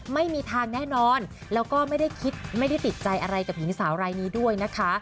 ไม่มีทางแน่นอนแล้วก็ไม่ได้คิดไม่ได้ติดใจอะไรกับหญิงสาวรายนี้ด้วยนะคะ